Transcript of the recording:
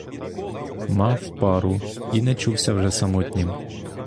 Мав пару — і не чувся вже самотнім.